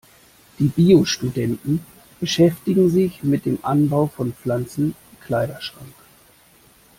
Die Bio-Studenten beschäftigen sich mit dem Anbau von Pflanzen im Kleiderschrank.